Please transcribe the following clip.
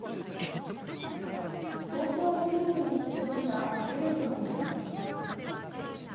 東京オリンピックに出場したアスリートも標的に。